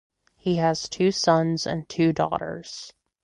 He has two sons and two daughters.